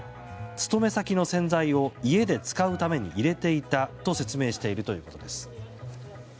勤め先の洗剤を家で使うために入れていたと説明しているということです。